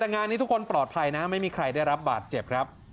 แต่งานนี้ทุกคนปลอดภัยนะไม่มีใครได้รับบาดเจ็บครับ